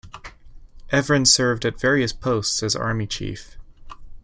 Evren served at various posts as Army Chief.